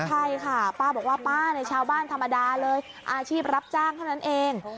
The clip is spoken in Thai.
ใช่ค่ะป้าบอกว่าป้าในชาวบ้านธรรมดาเลยอาชีพรับจ้างเท่านั้นเอง